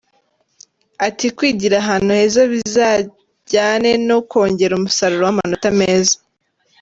Ati“Kwigira ahantu heza bizajyane no kongera umusaruro w’amanota meza”.